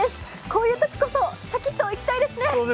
こういうときこそ、シャキッといきたいですね。